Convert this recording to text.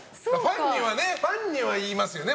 ファンには言いますよね。